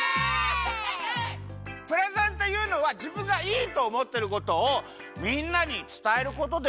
プレゼンというのはじぶんがいいとおもってることをみんなにつたえることです。